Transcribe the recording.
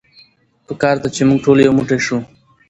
په کار ده چې مونږ ټول يو موټی شو.